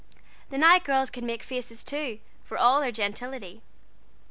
The Knight girls could make faces too, for all their gentility.